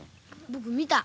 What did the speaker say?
僕見た。